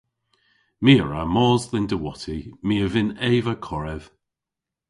My a wra mos dhe'n diwotti. My a vynn eva korev.